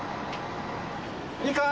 いいか？